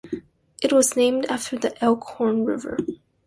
It was named after the Elkhorn River.